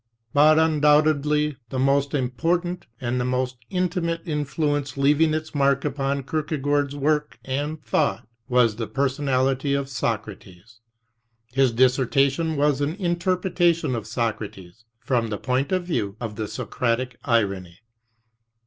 But undoubtedly the most important and the most intimate in fluence leaving its mark upon Kierkegaard's work and thought, was the personality of Socrates. His dissertation was an inter pretation of Socrates from the point of view of the Socratic irony.